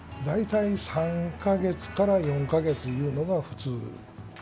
大体３か月から４か月いうのが普通。